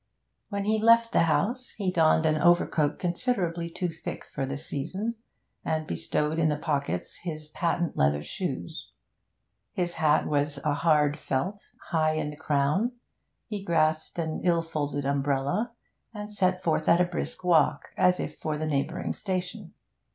When he left the house, he donned an overcoat considerably too thick for the season, and bestowed in the pockets his patent leather shoes. His hat was a hard felt, high in the crown. He grasped an ill folded umbrella, and set forth at a brisk walk, as if for the neighbouring station.